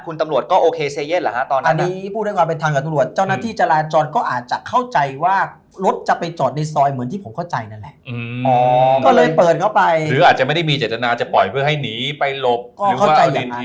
น่าจะปล่อยเพื่อให้หนีไปหลบหรือว่าเอาดินเอง